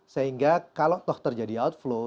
sehingga kalau toh terjadi outflow